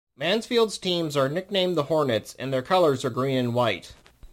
Mansfield's teams are nicknamed the Hornets, and their colors are green and white.